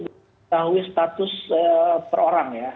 mengetahui status per orang ya